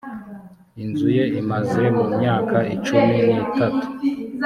inzu ye imaze mu myaka cumi n’itatu